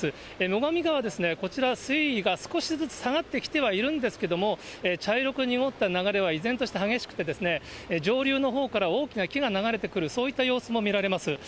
のがみ川ですね、こちら水位が少しずつ下がってきてはいるんですけど、茶色く濁った川は、依然として激しくて、上流のほうから大きな木が流れてくる、そういった様子も見られます。